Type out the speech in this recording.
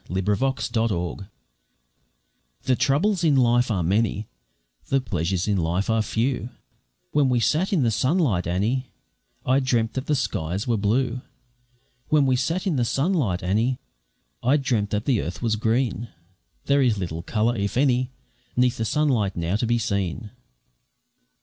Wormwood and Nightshade The troubles of life are many, The pleasures of life are few; When we sat in the sunlight, Annie, I dreamt that the skies were blue When we sat in the sunlight, Annie, I dreamt that the earth was green; There is little colour, if any, 'Neath the sunlight now to be seen.